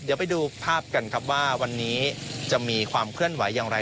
เดี๋ยวไปดูภาพกันครับว่าวันนี้จะมีความเคลื่อนไหวอย่างไร